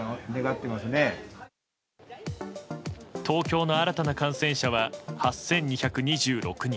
東京の新たな感染者は８２２６人。